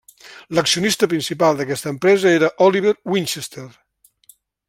L'accionista principal d'aquesta empresa era Oliver Winchester.